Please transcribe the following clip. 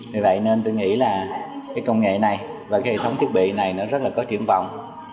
vì vậy nên tôi nghĩ là cái công nghệ này và cái hệ thống thiết bị này nó rất là có triển vọng